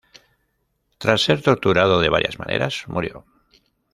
Tras ser torturado de varias maneras, murió.